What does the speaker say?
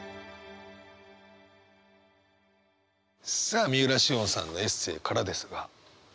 さあ三浦しをんさんのエッセーからですが。